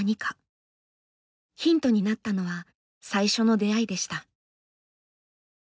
ヒントになったのは最初の出会いでした。